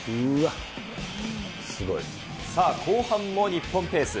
すごい。さあ、後半も日本ペース。